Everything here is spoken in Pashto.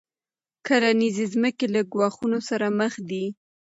کرنیزې ځمکې له ګواښونو سره مخ دي.